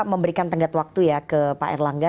memberikan tenggat waktu ya ke pak erlangga